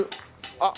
あっ！